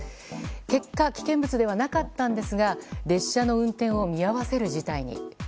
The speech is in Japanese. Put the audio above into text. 結果危険物ではなかったんですが列車の運転を見合わせる事態に。